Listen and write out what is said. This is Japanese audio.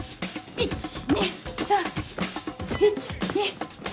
１・２・３。